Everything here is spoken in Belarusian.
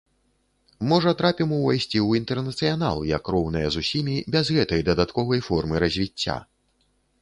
Можа, трапім увайсці ў інтэрнацыянал як роўныя з усімі, без гэтай дадатковай формы развіцця!